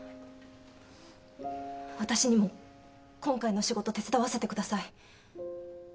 私にも今回の仕事手伝わせてください。